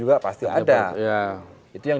juga pasti ada itu yang